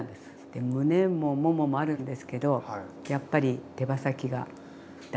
でむねももももあるんですけどやっぱり手羽先が楽かな。